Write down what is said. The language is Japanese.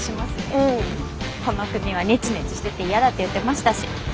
この国はネチネチしてて嫌だって言ってましたし。